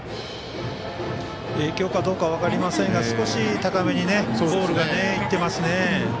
影響かどうか分かりませんが少し高めにボールがいっていますね。